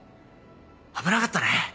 危なかったね。